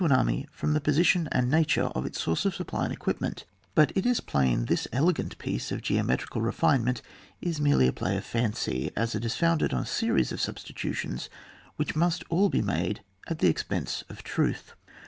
an army from the position and nature of its sources of supply and equip ment ; but it is plain this elegant piece of geometrical refinement is merely a play of fancy, as it is founded on a series of substitutions which must all be made at the expense of truth.